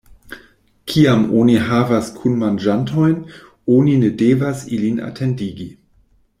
Kiam oni havas kunmanĝantojn, oni ne devas ilin atendigi.